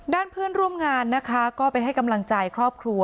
เพื่อนร่วมงานนะคะก็ไปให้กำลังใจครอบครัว